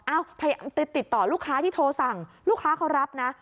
ติดต่อลูกค้าที่โทรสั่งลูกค้าเขารับนะ